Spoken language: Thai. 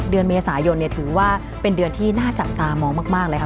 เดือนเมษายนถือว่าเป็นเดือนที่น่าจับตามองมากเลยค่ะ